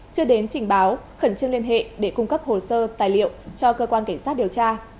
chưa đến trình báo khẩn trương liên hệ để cung cấp hồ sơ tài liệu cho cơ quan cảnh sát điều tra